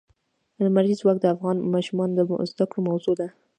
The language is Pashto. لمریز ځواک د افغان ماشومانو د زده کړې موضوع ده.